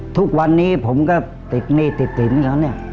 ทุกวันนี้ผมก็ติดหนี้ติดสินเขาเนี่ย